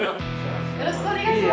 よろしくお願いします。